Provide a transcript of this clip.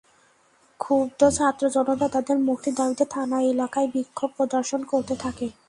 ক্ষুব্ধ ছাত্রজনতা তাঁদের মুক্তির দাবিতে থানা এলাকায় বিক্ষোভ প্রদর্শন করতে থাকে।